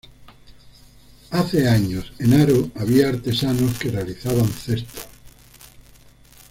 Hace años, en Aro había artesanos que realizaban cestos.